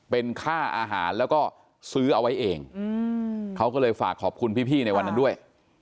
เป็นค่าอาหารแล้วก็ซื้อเอาไว้เองเขาก็เลยฝากขอบคุณพี่ในวันนั้นด้วย